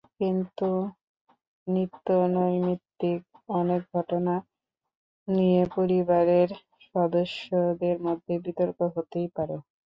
কিন্তু নিত্যনৈমিত্তিক অনেক ঘটনা নিয়ে পরিবারের সদস্যদের মধ্যে বিতর্ক হতেই পারে।